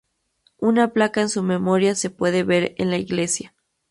Una placa en su memoria se puede ver en la iglesia.